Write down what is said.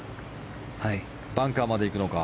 バンカーまで行くのか。